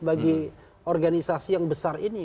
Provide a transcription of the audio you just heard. bagi organisasi yang besar ini